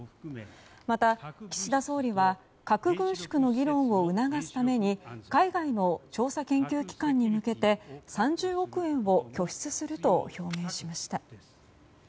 また、岸田総理は核軍縮の議論を促すために海外の調査研究機関に向けて３０億円を拠出すると表明しました。